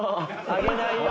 あげないよ！